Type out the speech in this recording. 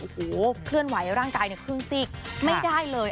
โอ้โหเคลื่อนไหวร่างกายเนี่ยครึ่งซีกไม่ได้เลย